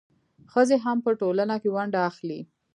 ښځې هم په ټولنه کې ونډه اخلي.